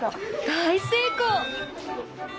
大成功！